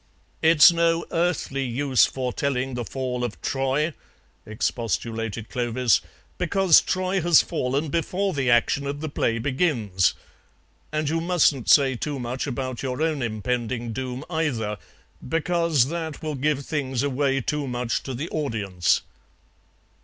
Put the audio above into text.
"It's no earthly use foretelling the fall of Troy," expostulated Clovis, "because Troy has fallen before the action of the play begins. And you mustn't say too much about your own impending doom either, because that will give things away too much to the audience."